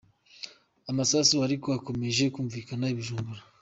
Amasasu ariko akomeje kumvikana i Bujumbura.